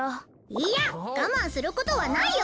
いや我慢することはないよ。